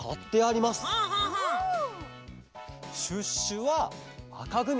シュッシュはあかぐみ。